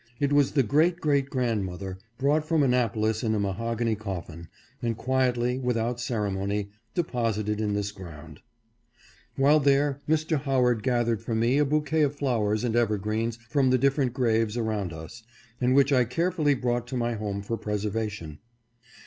It was the great great grandmother, brought from Annapolis in a mahogany cof fin, and quietly, without ceremony, deposited in this ground. While here Mr. Howard gathered for me a bouquet of flowers and evergreens from the different graves around 544 MASSACHUSETTS TUTOR INTERRED THERE. us, and which I carefully brought to my home for pre servation.